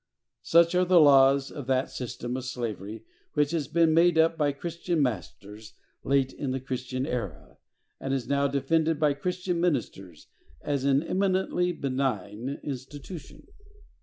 Such are the laws of that system of slavery which has been made up by Christian masters late in the Christian era, and is now defended by Christian ministers as an eminently benign institution.